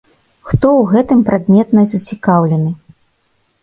Хто ў гэтым прадметна зацікаўлены?